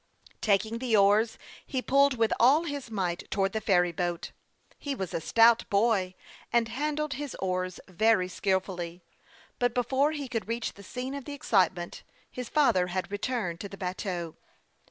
Taking the oars, he pulled with all his might towards the ferry boat. He was a stout boy, and handled his oars very skilfully ; but before he could reach the scene of the excitement, his father had returned to the bateau.